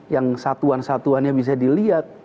yang satuan satuannya bisa dilihat